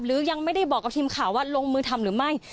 หรือยังไม่ได้บอกกับทีมข่าวว่าลงมือทำหรือไม่